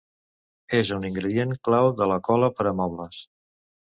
És un ingredient clau de la cola per a mobles.